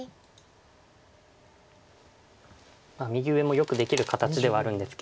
右上もよくできる形ではあるんですけど